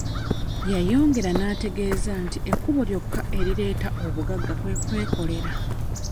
Yayongera n'antegeeza nti ekkubo lyokka erireeta obugagga kwe kwekolera.